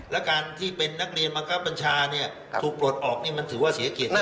และการที่เป็นนักเรียนบังคับบัญชาเนี่ยถูกปลดออกนี่มันถือว่าเสียเกียรติมาก